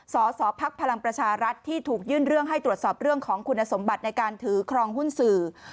สสพลังประชารัฐที่ถูกยื่นเรื่องให้ตรวจสอบเรื่องของคุณสมบัติในการถือครองหุ้นสื่อ